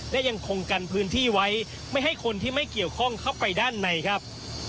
และยังคงกันพื้นที่ไว้ไม่ให้คนที่ไม่เกี่ยวข้องเข้าไปด้านในครับ